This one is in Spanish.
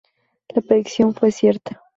La predicción fue cierta.